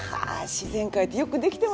自然界ってよくできてますね。